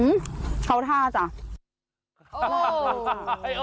อื้อข้าวทาจ้ะโอ้